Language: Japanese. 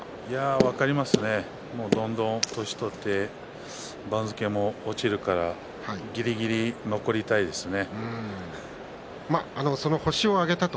分かりますねどんどんと年を取って番付も落ちるからぎりぎり残りたいですね。